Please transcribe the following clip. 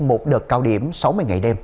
một đợt cao điểm sáu mươi ngày